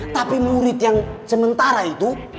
tapi murid yang sementara itu